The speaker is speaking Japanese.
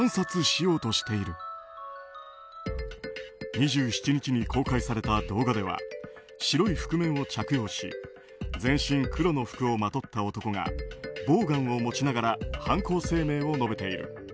２７日に公開された動画では白い覆面を着用し全身黒の服をまとった男がボーガンを持ちながら犯行声明を述べている。